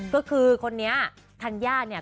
ก็คือคนนี้ธัญญาเนี่ย